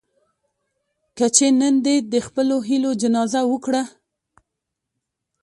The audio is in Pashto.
کچې نن دې د خپلو هيلو جنازه وکړه.